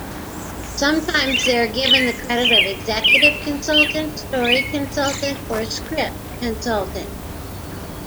Sometimes they are given the credit of "executive consultant", "story consultant" or "script consultant".